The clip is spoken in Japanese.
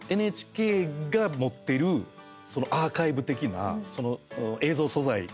ＮＨＫが持ってるアーカイブ的な映像素材